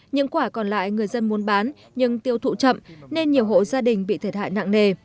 những quả còn lại người dân muốn bán nhưng tiêu thụ chậm nên nhiều hộ gia đình bị thiệt hại nặng nề